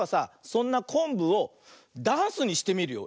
そんなこんぶをダンスにしてみるよ。